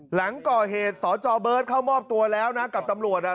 หลังก่อเหตุสจเบิร์ตเข้ามอบตัวแล้วนะกับตำรวจอ่ะ